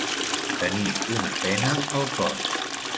Tenir una pena al cor.